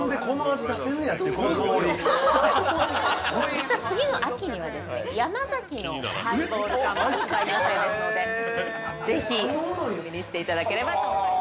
◆実は次の秋には山崎のハイボール缶も発売予定ですので、ぜひ楽しみにしていただければと思います。